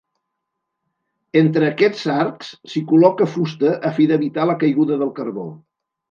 Entre aquests arcs s'hi col·loca fusta a fi d'evitar la caiguda del carbó.